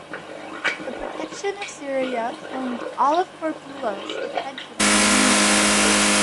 The protection of Syria claimed all of Corbulo's attention in the meantime.